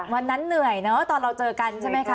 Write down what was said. วันนั้นเหนื่อยเนอะตอนเราเจอกันใช่ไหมคะ